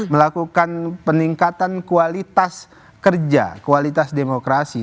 melakukan peningkatan kualitas kerja kualitas demokrasi